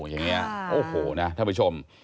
อย่างนี้โอ้โหนะท่านผู้ชม